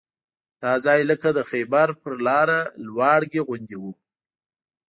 دا ځای لکه د خیبر پر لاره لواړګي غوندې وو.